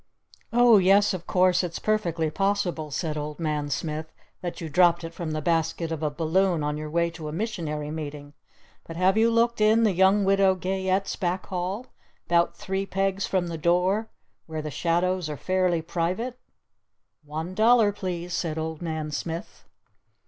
"Oh, yes, of course, it's perfectly possible," said Old Man Smith, "that you dropped it from the basket of a balloon on your way to a Missionary Meeting. But have you looked in the Young Widow Gayette's back hall? 'Bout three pegs from the door? Where the shadows are fairly private? One dollar, please!" said Old Man Smith.